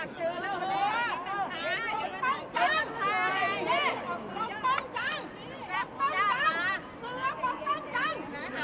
ต้องใจร่วม